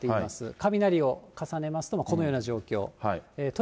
雷を重ねますと、このような状況。